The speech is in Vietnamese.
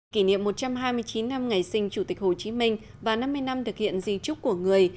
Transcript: kỷ niệm một trăm hai mươi chín năm ngày sinh chủ tịch hồ chí minh và năm mươi năm thực hiện di trúc của người